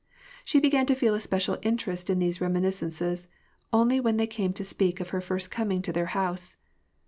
She began to feel a special interest in these reminiscences only when they came to speak of her first coming to their house.